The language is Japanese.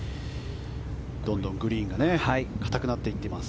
どんどんグリーンが硬くなっていっています。